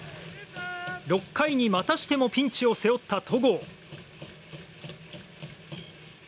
６回にまたしてもピンチを背負った戸郷。